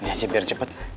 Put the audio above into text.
ini aja biar cepet